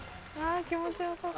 あ気持ちよさそう。